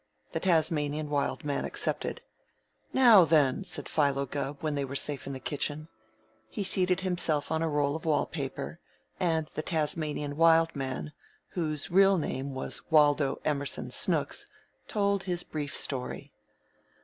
The Tasmanian Wild Man accepted. "Now, then," said Philo Gubb, when they were safe in the kitchen. He seated himself on a roll of wall paper, and the Tasmanian Wild Man, whose real name was Waldo Emerson Snooks, told his brief story.